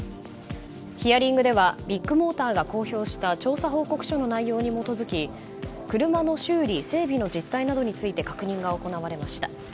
ヒアリングではビッグモーターが公表した調査報告書の内容に基づき車の修理・整備の実態などについて確認が行われました。